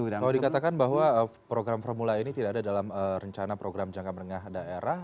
kalau dikatakan bahwa program formula e ini tidak ada dalam rencana program jangka menengah daerah